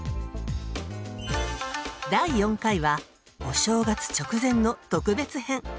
第４回はお正月直前の特別編。